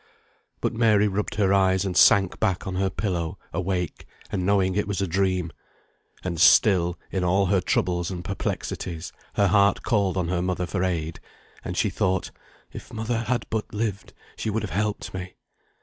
But Mary rubbed her eyes and sank back on her pillow, awake, and knowing it was a dream; and still, in all her troubles and perplexities, her heart called on her mother for aid, and she thought, "If mother had but lived, she would have helped me."